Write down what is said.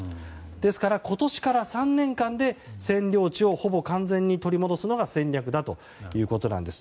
ですから、今年から３年間で占領地をほぼ完全に取り戻すのが戦略だということです。